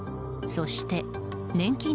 そして。